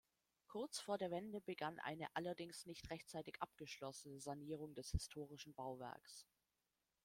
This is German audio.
Kurz vor der Wende begann eine allerdings nicht rechtzeitig abgeschlossene Sanierung des historischen Bauwerks.